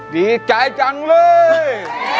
ดีใจจังเลย